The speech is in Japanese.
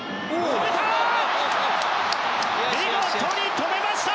止めた！